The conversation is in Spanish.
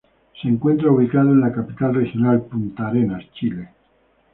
Se encuentra ubicado en la capital regional, Punta Arenas, Chile.